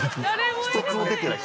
一つも出てない。